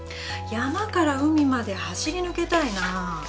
山から海まで走りぬけたいな。